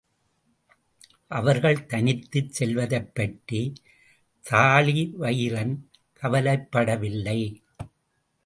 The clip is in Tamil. அவர்கள் தனித்துச் செல்வதைப்பற்றித் தாழிவயிறன் கவலைப்படவில்லை.